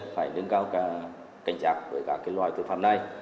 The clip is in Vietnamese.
phải đứng cao cả cảnh trạc với các loại tội phạm này